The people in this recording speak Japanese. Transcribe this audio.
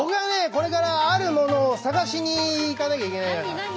これからあるものを探しに行かなきゃいけないから。